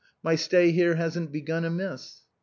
My stay here hasn't begun amiss."